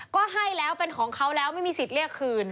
ก็ให้แล้วเป็นของเขาแล้วไม่มีสิทธิ์เรียกคืน